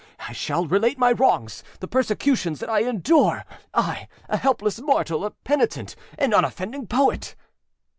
I shall relate my wrongs, the persecutions that I endureâI, a helpless mortal, a penitent, an unoffending poet!